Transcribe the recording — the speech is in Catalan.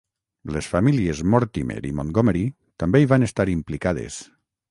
Les famílies Mortimer i Montgomery també hi van estar implicades.